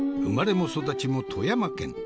生まれも育ちも富山県。